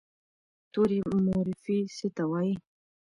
توري مورفي څه ته وایي؟